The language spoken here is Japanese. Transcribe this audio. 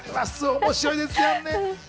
面白いですよね。